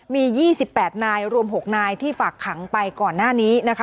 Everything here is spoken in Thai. มี๒๘นายรวม๖นายที่ฝากขังไปก่อนหน้านี้นะคะ